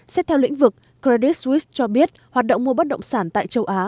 xét theo lĩnh vực credit swit cho biết hoạt động mua bất động sản tại châu á